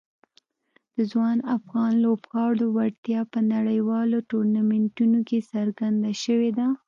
د ځوان افغان لوبغاړو وړتیا په نړیوالو ټورنمنټونو کې څرګنده شوې ده.